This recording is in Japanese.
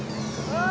うわ！